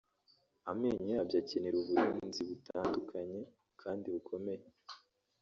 amenyo yabyo akenera uburinzi butandukanye kandi bukomeye